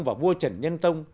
và vua trần nhân tông